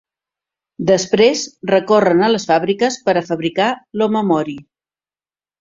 Després, recorren a les fàbriques per a fabricar l'"omamori".